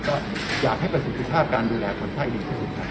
ก็อยากให้ประสาทภาพการดูแลคนไพดีที่สุขทั้งหมดท่านค่ะ